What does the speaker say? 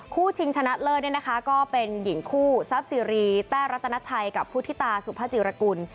ชิงชนะเลิศเนี่ยนะคะก็เป็นหญิงคู่ซับซีรีแต้รัตนชัยกับพุทธิตาสุภาจิรกุล